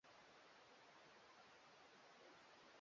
Chris amewasili sasa hivi.